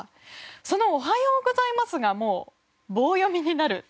その「おはようございます」がもう棒読みになるというか。